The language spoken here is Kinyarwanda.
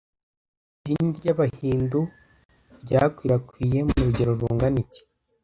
Idini ry’Abahindu ryakwirakwiriye mu rugero rungana iki